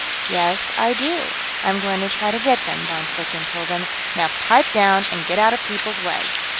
"Yes, I do. I'm going to try to get them," von Schlichten told him. "Now pipe down and get out of people's way."